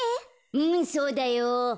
うんそうだよ。